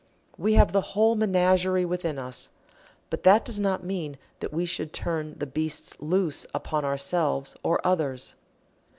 We have the whole menagerie within us, but that does not mean that we should turn the beasts loose upon ourselves or others.